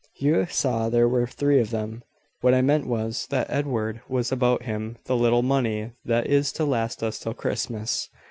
You saw there were three of them. What I meant was, that Edward has about him the little money that is to last us till Christmas.